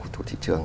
của thị trường